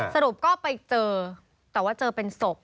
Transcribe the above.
สรุปก็ไปเจอแต่ว่าเจอเป็นศพ